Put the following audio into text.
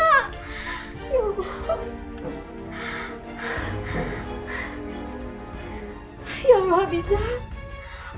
akhirnya aku ke tempat lain